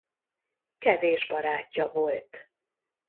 Kevés barátja volt.